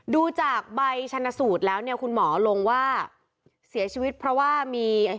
ดูจากใบชนสูตรแล้วเนี่ยคุณหมอลงว่าเสียชีวิตเพราะว่ามี